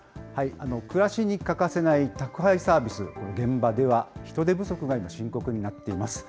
暮らしに欠かせない宅配サービスの現場では人手不足が今、深刻になっています。